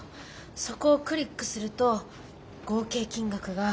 そこをクリックすると合計金額が。